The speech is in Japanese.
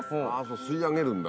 吸い上げるんだ。